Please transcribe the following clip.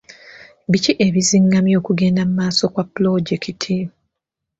Biki ebizingamya okugenda mu maaso kwa pulojekiti?